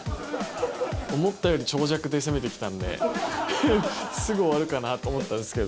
思ったより長尺で攻めてきたんで、すぐ終わるかなと思ったんですけ